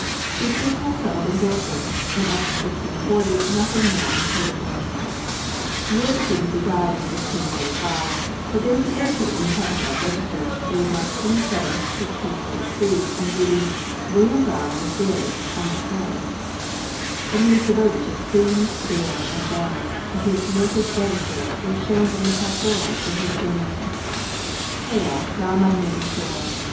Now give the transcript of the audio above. He appears to have settled in Dorking, and after 1640 nothing more is heard of him. Wood thinks he died in 1645, but there is an entry in the Tavistock register, dated March 27th, 1643, and reading "William Browne was buried" on that day. That he was devoted to the streams, dales, and downs of his native Devonshire is shown in the Pastorals, where he sings: "Hail, thou my native soil!